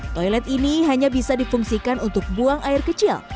toilet ini hanya bisa difungsikan untuk buang air kecil